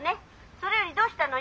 それよりどうしたのよ？